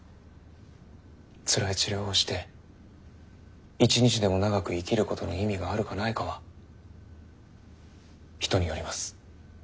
つらい治療をして一日でも長く生きることの意味があるかないかは人によります。